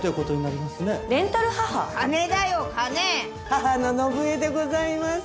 母の信枝でございます。